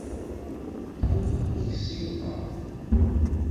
Tebɣiḍ ad k-ssiwḍeɣ?